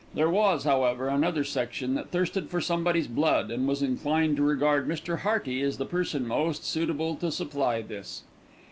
There was, however, another section that thirsted for somebody's blood, and was inclined to regard Mr. Hearty as the person most suitable to supply this.